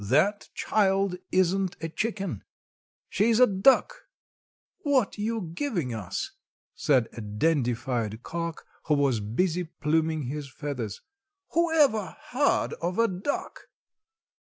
"That child isn't a chicken. She's a duck." "What you giving us?" said a dandified Cock, who was busy pluming his feathers. "Whoever heard of a duck?"